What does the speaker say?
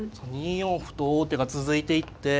２四歩と王手が続いていって。